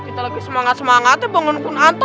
kita lagi semangat semangatnya bangun kunanta